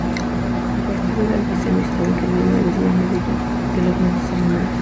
El partido era antisemita, aunque no en la misma medida que los nazis alemanes.